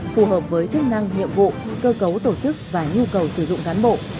phù hợp với chức năng nhiệm vụ cơ cấu tổ chức và nhu cầu sử dụng cán bộ